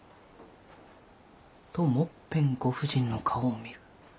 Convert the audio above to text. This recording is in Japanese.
ともっぺんご婦人の顔を見る。